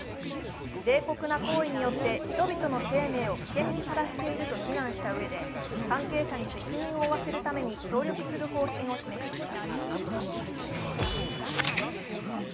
冷酷な行為によって人々の生命を危険にさらしていると非難したうえで関係者に責任を負わせるために協力する方針を示しました。